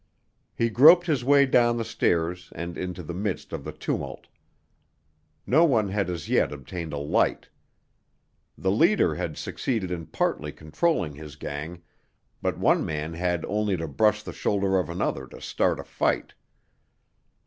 He groped his way down the stairs and into the midst of the tumult. No one had as yet obtained a light. The leader had succeeded in partly controlling his gang, but one man had only to brush the shoulder of another to start a fight.